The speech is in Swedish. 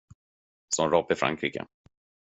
Som rap i Frankrike.